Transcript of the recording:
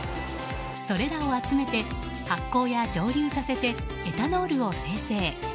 それらを集めて発酵や蒸留させてエタノールを生成。